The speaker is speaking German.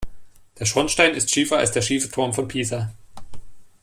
Der Schornstein ist schiefer als der schiefe Turm von Pisa.